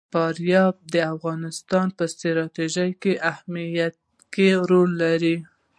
فاریاب د افغانستان په ستراتیژیک اهمیت کې رول لري.